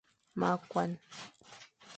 Ma koan.